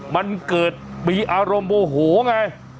มันเกิดมีอารมณ์โมโหไง